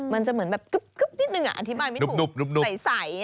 มันจะเหมือนแบบกึ๊บนิดนึงอธิบายไม่ถูกใส